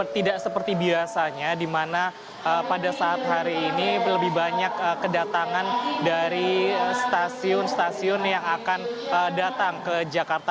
tidak seperti biasanya di mana pada saat hari ini lebih banyak kedatangan dari stasiun stasiun yang akan datang ke jakarta